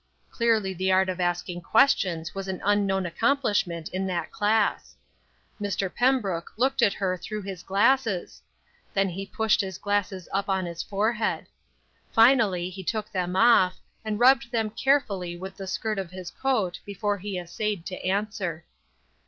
Clearly the art of asking questions was an unknown accomplishment in that class. Mr. Pembrook looked at her through his glasses; then he pushed his glasses up on his forehead. Finally he took them off, and rubbed them carefully with the skirt of his coat before he essayed to answer.